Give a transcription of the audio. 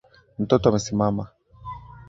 Mtoto amesimama